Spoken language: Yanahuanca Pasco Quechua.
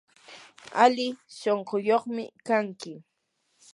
ali shunquyuqmi kanki.